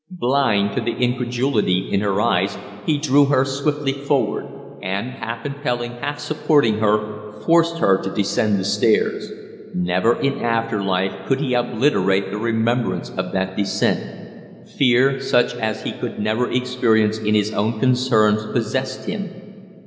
Blind to the incredulity in her eyes, he drew her swiftly forward, and half impelling, half supporting her forced her to descend the stairs. Never in after life could he obliterate the remembrance of that descent. Fear, such as he could never experience in his own concerns, possessed him.